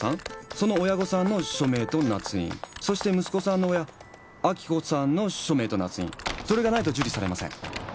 その親御さんの署名となつ印そして息子さんの親亜希子さんの署名となつ印それがないと受理されません。